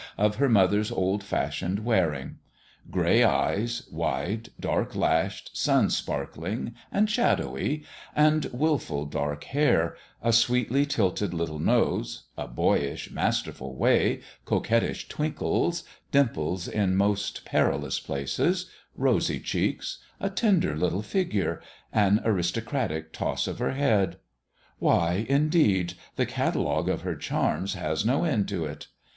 of her mother's old fashioned wearing. Gray eyes, wide, dark lashed, sun sparkling and shadowy, and willful dark hair, a sweetly tilted little nose, a boyish, masterful way, coquettish twinkles, dimples in most perilous places, rosy cheeks, a tender little figure, an aristocratic toss to her head : why, indeed the catalogue of her charms has no end to it